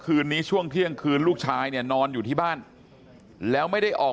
คืนนี้ช่วงเที่ยงคืนลูกชายเนี่ยนอนอยู่ที่บ้านแล้วไม่ได้ออก